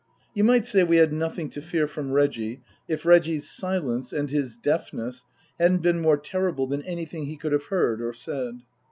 You might say we had nothing to fear from Reggie, if Reggie's silence and his deafness hadn't been more terrible than anything he could have heard or said.